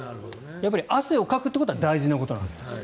やっぱり汗をかくことが大事なことなんですよ。